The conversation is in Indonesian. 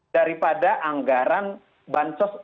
daripada anggaran bansos